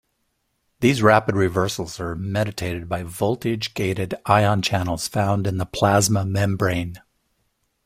These rapid reversals are mediated by voltage-gated ion channels found in the plasma membrane.